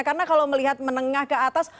karena kalau melihat menengah ke atas